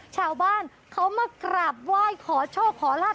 ชาวบ้านเขามากราบไหว้ขอโชคขอลาบ